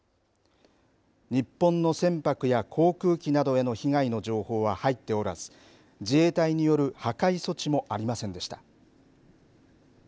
日本の船舶や航空機などへの被害の情報は入っておらず自衛隊による破壊措置もありませんでした。